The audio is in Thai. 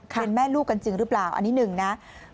เป็นแม่ลูกกันจริงหรือเปล่าอันนี้หนึ่งนะ